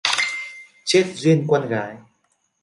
Chết Duyên con gái